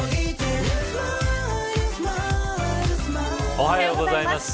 おはようございます。